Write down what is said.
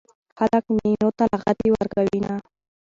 خلک ميينو ته لغتې ورکوينه